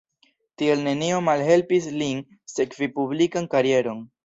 Tiel nenio malhelpis lin sekvi publikan karieron.